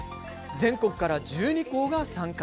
全国から１２校が参加。